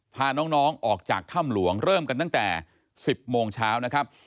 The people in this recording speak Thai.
พาน้องออกจากถ้ำหลวงเริ่มกันตั้งแต่๑๐โมงเช้านะครับ